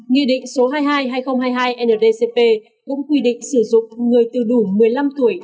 nghị định số hai mươi hai hai nghìn hai mươi hai ndcp cũng quy định sử dụng người từ đủ một mươi năm tuổi